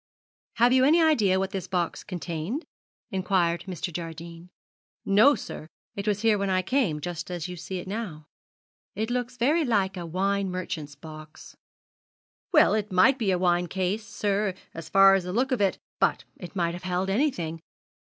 'Have you any idea what this box contained?' inquired Mr. Jardine. 'No, sir. It was here when I came, just as you see it now.' 'It looks very like a wine merchant's box.' 'Well, it might be a wine case, sir, as far as the look of it goes; but it might have held anything.